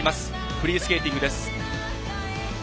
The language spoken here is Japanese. フリースケーティングです。